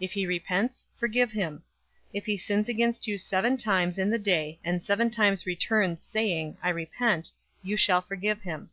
If he repents, forgive him. 017:004 If he sins against you seven times in the day, and seven times returns, saying, 'I repent,' you shall forgive him."